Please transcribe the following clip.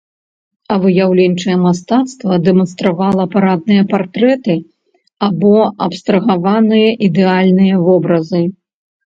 А выяўленчае мастацтва дэманстравала парадныя партрэты або абстрагаваныя, ідэальныя вобразы.